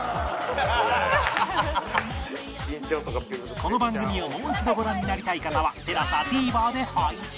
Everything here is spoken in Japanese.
この番組をもう一度ご覧になりたい方は ＴＥＬＡＳＡＴＶｅｒ で配信